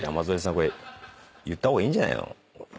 これ言った方がいいんじゃないの？